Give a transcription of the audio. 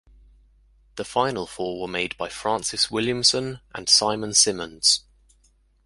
The final four were made by Francis Williamson and Symon Symondes.